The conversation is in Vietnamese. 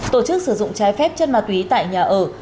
tổ chức sử dụng trái phép chân ma túy tại nhà ở